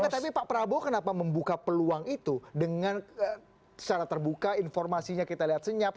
tapi pak prabowo kenapa membuka peluang itu dengan secara terbuka informasinya kita lihat senyap